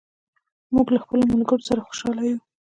موږ له خپلو ملګرو سره خوشاله یو.